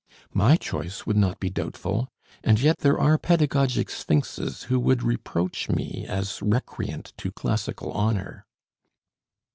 My choice would not be doubtful; and yet there are pedagogic sphinxes who would reproach me as recreant to classical honor."